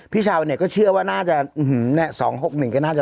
พี่ชาวเนี่ยก็เชื่อว่าน่าจะ๒๖๑ก็น่าจะ